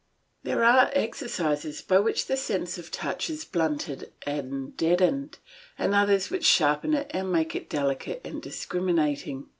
There are exercises by which the sense of touch is blunted and deadened, and others which sharpen it and make it delicate and discriminating.